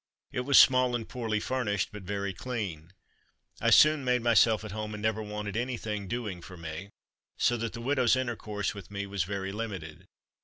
It was small and poorly furnished, but very clean. I soon made myself at home; and never wanted anything doing for me, so that the widow's intercourse with me was very limited.